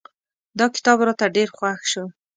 دا کتاب راته ډېر خوښ شو.